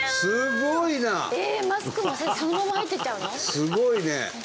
すごいね！